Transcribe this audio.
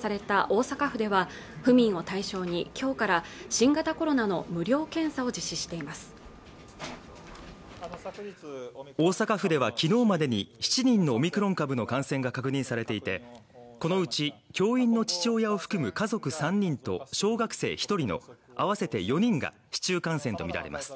大阪府では昨日までに７人のオミクロン株の感染が確認されていてこのうち教員の父親を含む家族３人と小学生一人の合わせて４人が市中感染と見られます